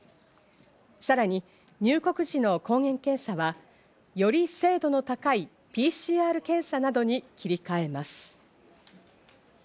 さらに入国時の抗原検査はより精度の高いＰＣＲ検査などに切り替えます。